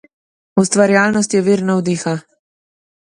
Ustvarjalnost je vir navdiha.